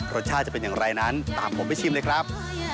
จะเป็นอย่างไรนั้นตามผมไปชิมเลยครับ